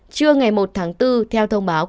trưa ngày một tháng bốn theo thông báo